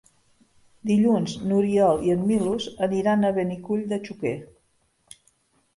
Dilluns n'Oriol i en Milos aniran a Benicull de Xúquer.